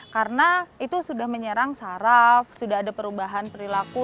karena itu sudah menyerang saraf sudah ada perubahan perilaku